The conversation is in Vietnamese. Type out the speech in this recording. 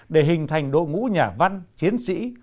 để hình thành đội ngũ nhà văn chiến sĩ